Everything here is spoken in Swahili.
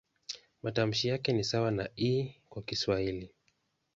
Matamshi yake ni sawa na "i" kwa Kiswahili.